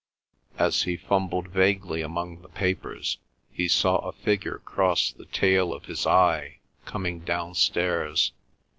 As he fumbled vaguely among the papers he saw a figure cross the tail of his eye, coming downstairs.